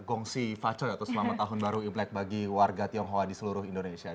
gongsi faccoy atau selamat tahun baru imlek bagi warga tionghoa di seluruh indonesia